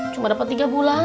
cuma dapat tiga bulan